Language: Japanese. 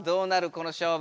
この勝負。